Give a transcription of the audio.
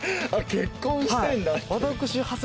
あっ結婚してんだって。